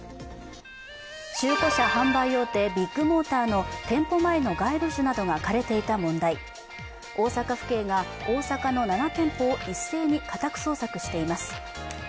中古車販売大手ビッグモーターの店舗前の街路樹などが枯れていた問題、大阪府警が大阪の７店舗を一斉に家宅捜索しています。